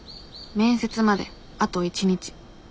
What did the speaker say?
面接まであと１日。